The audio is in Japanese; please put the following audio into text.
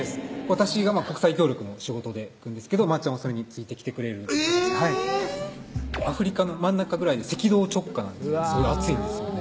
私が国際協力の仕事で行くんですけどまぁちゃんはそれに付いてきてくれるアフリカの真ん中ぐらいで赤道直下なんですごい暑いんですよね